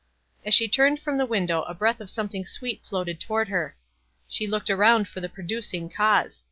As she turned from the window a breath of something sweet floated toward her. She looked around for the producing cause.